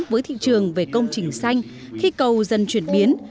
với thị trường về công trình xanh khi cầu dần chuyển biến